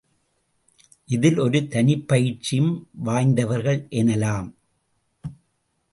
இதில் ஒரு தனிப்பயிற்சியும் வாய்ந்தவர்கள் என்னலாம்.